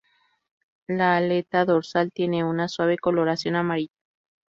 La aleta dorsal tiene una suave coloración amarilla.